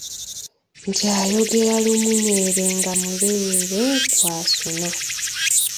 Nti ayogera lumuunyere nga mulere gwa Ssuuna.